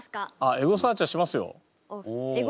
エゴサーチはしますよ。